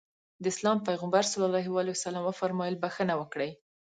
د اسلام پيغمبر ص وفرمايل بښنه وکړئ.